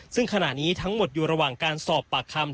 ซึ่งขณะนี้ทั้งหมดอยู่ระหว่างการสอบปากคำ